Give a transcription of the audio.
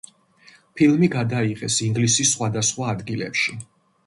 ფილმი გადაიღეს ინგლისის სხვადასხვა ადგილებში.